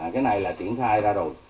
cái này là triển thai ra rồi